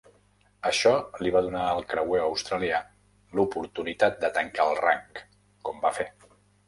Això li va donar al creuer australià l'oportunitat de tancar el rang, com va fer.